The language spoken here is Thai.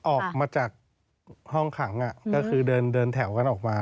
ออกมาจากห้องขังก็คือเดินแถวกันออกมา